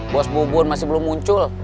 bos bubur masih belum muncul